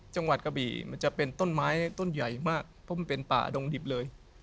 กะบี่มันจะเป็นต้นไม้ต้นใหญ่มากเพราะมันเป็นป่าดงดิบเลย